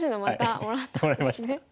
もらいました。